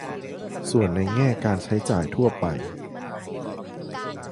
ส่วนในแง่การใช้จ่ายทั่วไป